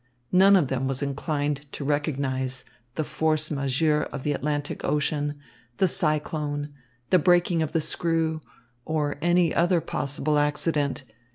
None of them was inclined to recognise the force majeure of the Atlantic Ocean, the cyclone, the breaking of the screw, or any other possible accident.